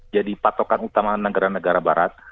jadi patokan utama negara negara barat